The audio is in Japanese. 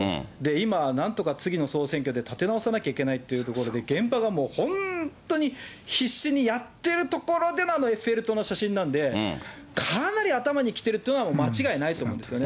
今、なんとか次の総選挙で立て直さなきゃいけないってところで、現場が本当に必死にやっているところでの、あのエッフェル塔の写真なんで、かなり頭にきてるというのは間違いないと思うんですよね。